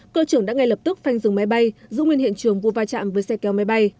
cơ trưởng đã ngay lập tức phanh dừng máy bay giữ nguyên hiện trường vụ va chạm với xe kéo máy bay